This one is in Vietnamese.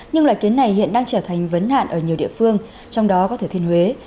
nhưng loại kiến này hiện đang trở thành vấn hạn ở nhiều địa phương trong đó có thừa thiên huế